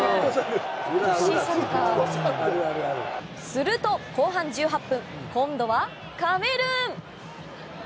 すると後半１８分今度は、カメルーン。